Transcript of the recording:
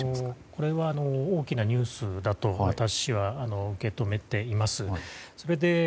これは大きなニュースだと私は受け止めています。